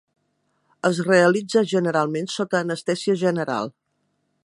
Es realitza generalment sota anestèsia general.